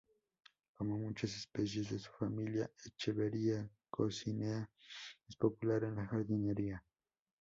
Como muchas especies de su familia, "Echeveria coccinea" es popular en la jardinería.